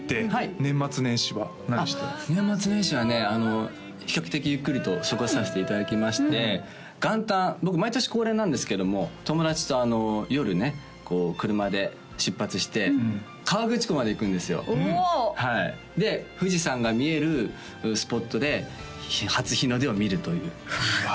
年末年始はね比較的ゆっくりと過ごさせていただきまして元旦僕毎年恒例なんですけども友達と夜ね車で出発して河口湖まで行くんですよで富士山が見えるスポットで初日の出を見るといううわあ